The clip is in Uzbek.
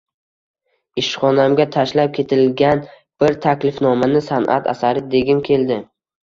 Ishxonamga tashlab ketilgan bir Taklifnomani san`at asari degim keldi